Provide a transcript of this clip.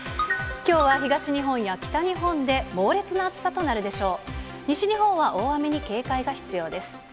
きょうは東日本や北日本で猛烈な暑さとなるでしょう。